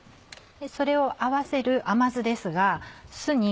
それを合わせる甘酢ですが酢に。